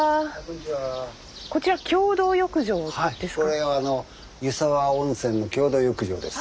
これは湯沢温泉の共同浴場ですね。